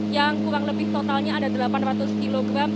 yang kurang lebih totalnya ada delapan ratus kilogram